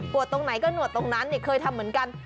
ตรงไหนก็หนวดตรงนั้นเคยทำเหมือนกัน